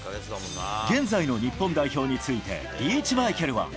現在の日本代表について、リーチマイケルは。